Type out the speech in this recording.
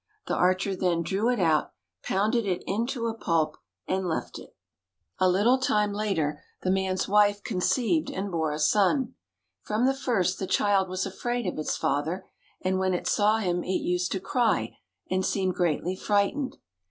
The archer then drew it out, pounded it into a pulp, and left it. A little time later the man's wife conceived and bore a son. From the first the child was afraid of its father, and when it saw him it used to cry and seem greatly frightened.